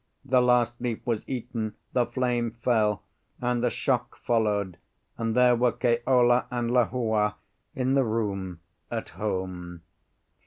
The last leaf was eaten, the flame fell, and the shock followed, and there were Keola and Lehua in the room at home.